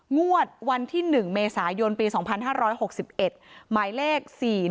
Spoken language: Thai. งวดวันที่๑เมษายนปี๒๕๖๑หมายเลข๔๑